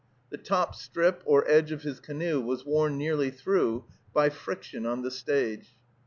The top strip or edge of his canoe was worn nearly through by friction on the stage.